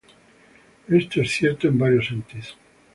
Esto es cierto en varios sentidos.